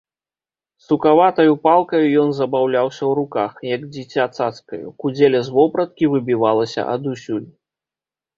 Сукаватаю палкаю ён забаўляўся ў руках, як дзіця цацкаю, кудзеля з вопраткі выбівалася адусюль.